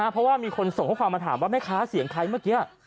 เพราะว่ามีคนส่งข้อความมาถามว่าแม่ค้าเสียงใครเมื่อกี้